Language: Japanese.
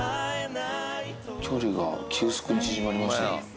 距離が急速に縮まりましたね。